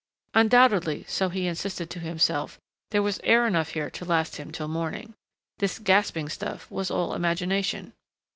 Undoubtedly, so he insisted to himself, there was air enough here to last him till morning. This gasping stuff was all imagination.